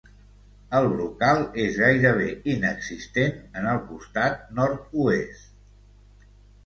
El brocal és gairebé inexistent en el costat nord-oest.